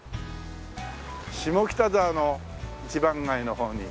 下北沢の一番街の方に。